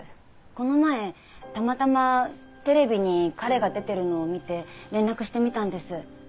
この前たまたまテレビに彼が出てるのを見て連絡してみたんです。